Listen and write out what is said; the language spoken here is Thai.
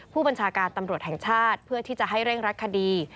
ผู้บัญชาการตำรวจแห่งชาติเพื่อที่จะให้เร่งรักคดี